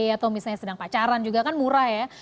atau misalnya sedang pacaran juga kan murah ya